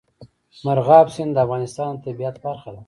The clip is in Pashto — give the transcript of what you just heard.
مورغاب سیند د افغانستان د طبیعت برخه ده.